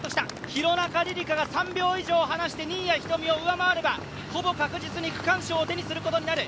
廣中璃梨佳が３秒以上話して新谷仁美を上回ればほぼ確実に区間賞を手にすることになる。